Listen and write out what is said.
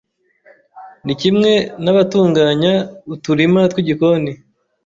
Ni kimwe n’abatunganya uturima tw’igikoni